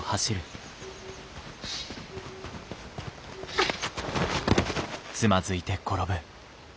あっ！